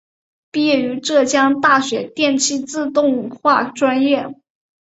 毕业于浙江大学电气自动化专业。